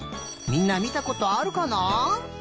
みんなみたことあるかな？